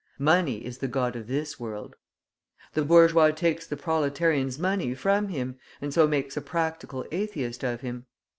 Money is the god of this world; the bourgeois takes the proletarian's money from him and so makes a practical atheist of him.